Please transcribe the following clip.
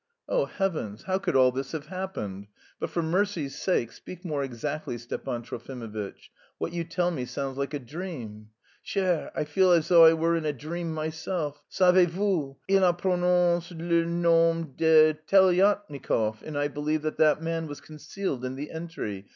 "Oh, heavens! how could all this have happened? But for mercy's sake, speak more exactly, Stepan Trofimovitch. What you tell me sounds like a dream." "Cher, I feel as though I were in a dream myself.... Savez vous! Il a prononcé le nom de Telyatnikof, and I believe that that man was concealed in the entry.